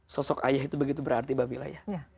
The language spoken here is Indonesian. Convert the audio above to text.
sosok ayah itu begitu berarti babila ya